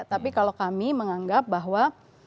tapi kalau kami menganggap bahwa